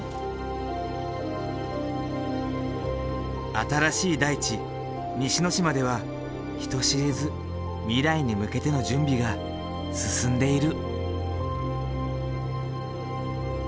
新しい大地西之島では人知れず未来に向けての準備が進んでいる。